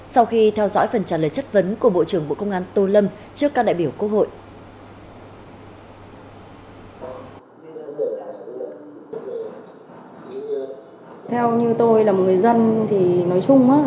sau khi theo dõi phần trả lời chất vấn của bộ trưởng bộ công an tô lâm trước các đại biểu quốc hội